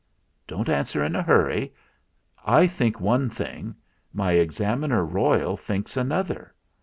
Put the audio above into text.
Don't answer in a hurry. I think one thing ; my Examiner Royal thinks another.